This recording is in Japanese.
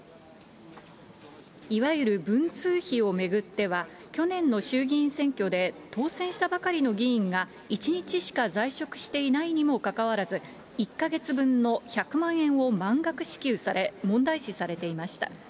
いわゆる文通費を巡っては、去年の衆議院選挙で当選したばかりの議員が１日しか在職していないにもかかわらず、１か月分の１００万円を満額支給され、問題視されていました。